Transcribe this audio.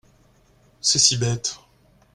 C’est si bête !…